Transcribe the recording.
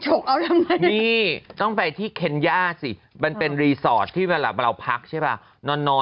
เอาละนี่ต้องไปที่ค็ณย่าสิมันเป็นที่เวลาเราพักใช่ป่ะนอนนอน